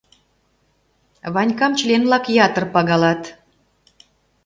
Ванькам член-влак ятыр пагалат...